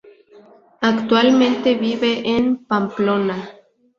Actualmente vive en Pamplona.